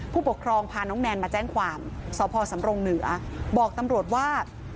ผู้ปกครองพาน้องแนนมาแจ้งความสพสำรงเหนือบอกตำรวจว่า